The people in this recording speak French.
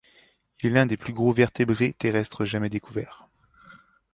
Il est l'un des plus gros vertébrés terrestres jamais découverts.